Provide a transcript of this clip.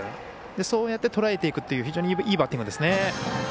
そうやってとらえていくという非常にいいバッティングですね。